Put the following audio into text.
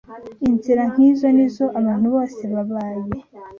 Inzira nk’izo ni zo abantu bose babaye